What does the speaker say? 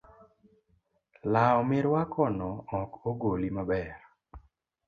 Law mirwako no ok ogoli maber